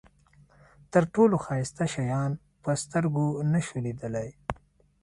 تر ټولو ښایسته شیان په سترګو نشو لیدلای.